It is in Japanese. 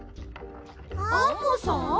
アンモさん！